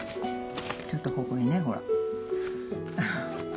ちょっとここにねほら。